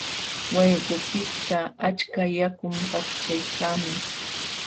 Wayqupiqta achka yakum paqchaykaamun.